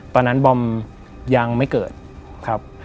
ตอนนั้นบอมยังไม่เกิดครับ